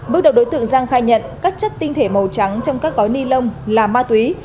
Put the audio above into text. bước đầu đối tượng giang khai nhận các chất tinh thể màu trắng trong các gói ni lông là ma túy